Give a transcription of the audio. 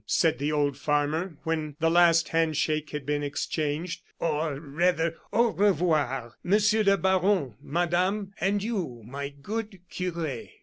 said the old farmer, when the last hand shake had been exchanged, "or rather au revoir, Monsieur le Baron, Madame, and you, my good cure."